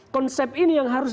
konsep ini yang harus